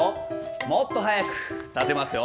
もっと速く立てますよ。